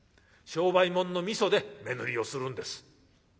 商売物の味噌で目塗りをするんです」。